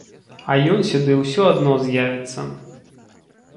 А ён сюды ўсё адно з'явіцца.